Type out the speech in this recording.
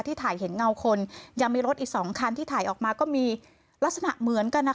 ถ่ายเห็นเงาคนยังมีรถอีก๒คันที่ถ่ายออกมาก็มีลักษณะเหมือนกันนะคะ